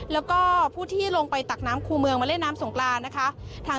แล้วก็ผู้ที่ลงไปตักน้ำคู่เมืองมาเล่นน้ำส่งกรานทางเจ้านาธิก็ได้นำลูกบอร์นสีขาว